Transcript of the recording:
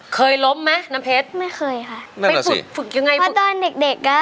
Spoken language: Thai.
เคยล้มมั้ยน้ำเพชรไม่เคยค่ะนั่นแหละสิฝึกยังไงพอตอนเด็กเด็กก็